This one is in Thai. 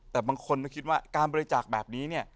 แต่บางคนคิดว่าการบริจาคแบบนี้